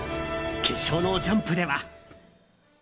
決勝のジャンプでは。